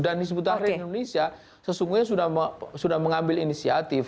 dan sebetulnya indonesia sesungguhnya sudah mengambil inisiatif